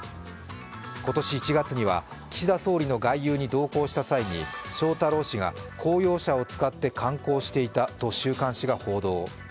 今年１月には、岸田総理の外遊に同行した際に翔太郎氏が、公用車を使って観光していたと週刊誌が報道。